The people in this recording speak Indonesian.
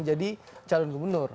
jadi calon gubernur